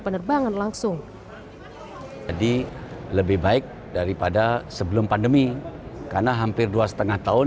penerbangan langsung jadi lebih baik daripada sebelum pandemi karena hampir dua setengah tahun